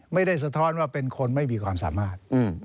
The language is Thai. สะท้อนว่าเป็นคนไม่มีความสามารถ